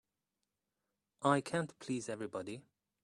I can't please everybody.